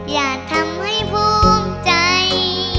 อยากทำให้ภูมิใจ